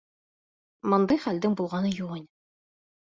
— Бындай хәлдең булғаны юҡ ине.